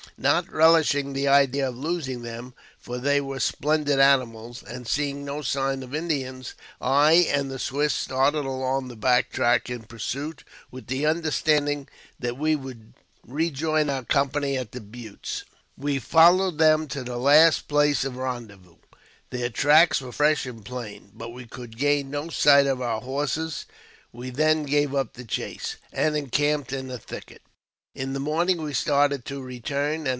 Not relishing the idea of losing them (for they were splendid animals), and seeing no signs of Indians, I and the Swiss started along the back track in pursuit, with the under standing that we would rejoin our company at the Buttes. We AUTOBIOGRAPHY OF JAMES P. BECKWOVBTH. 117 followed them to the last place of rendezvous ; their tracks were fresh and plain, but we could gain no sight of our horses. We then gave up the chase, and encamped in a thicket. In the morning we started to return, and.